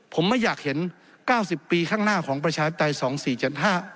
ผมไม่อยากเห็น๙๐ปีข้างหน้าของประชาชนศักดิ์ไตร๒๔๕